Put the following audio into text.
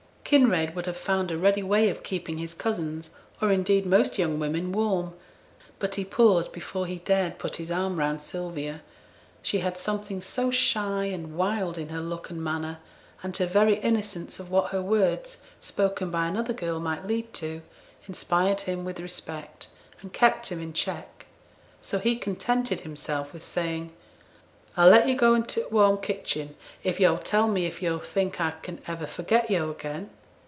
Kinraid would have found a ready way of keeping his cousins, or indeed most young women, warm; but he paused before he dared put his arm round Sylvia; she had something so shy and wild in her look and manner; and her very innocence of what her words, spoken by another girl, might lead to, inspired him with respect, and kept him in check. So he contented himself with saying, 'I'll let yo' go into t' warm kitchen if yo'll tell me if yo' think I can ever forget yo' again.'